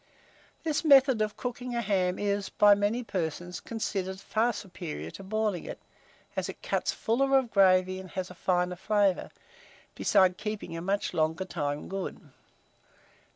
This method of cooking a ham is, by many persons, considered far superior to boiling it, as it cuts fuller of gravy and has a finer flavour, besides keeping a much longer time good.